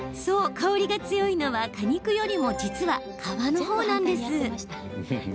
香りが強いのは果肉よりも実は、皮のほうなんです。